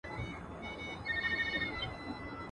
o چي جنگ سوړ سو ، ميرى تود سو.